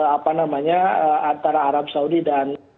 apa namanya antara arab saudi dan